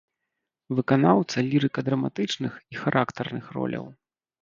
Выканаўца лірыка-драматычных і характарных роляў.